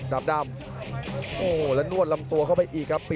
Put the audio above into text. ดาบดำเล่นงานบนเวลาตัวด้วยหันขวา